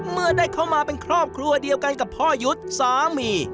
เมื่อได้เข้ามาเป็นครอบครัวเดียวกันกับพ่อยุทธ์สามี